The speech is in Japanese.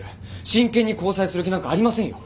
真剣に交際する気なんかありませんよ。